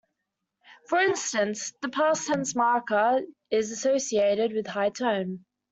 For instance, the past tense marker is associated with high tone.